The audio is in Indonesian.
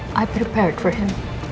saya siapkan obat untuk dia